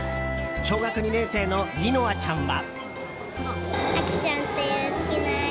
小学２年生のりのあちゃんは。